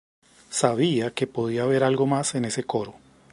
Sabía que podía haber algo más en ese coro".